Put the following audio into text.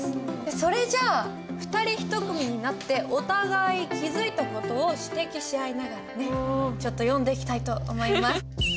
それじゃあ２人１組になってお互い気付いた事を指摘し合いながらねちょっと読んでいきたいと思います。